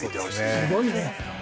すごいね。